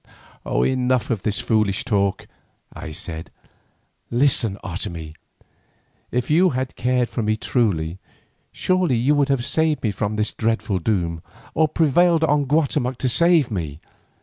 "Enough of this foolish talk," I said. "Listen, Otomie; if you had cared for me truly, surely you would have saved me from this dreadful doom, or prevailed on Guatemoc to save me.